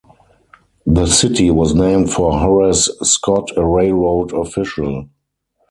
The city was named for Horace Scott, a railroad official.